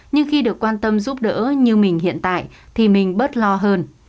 nhưng khi được quan tâm giúp đỡ như mình hiện tại thì mình bớt lo hơn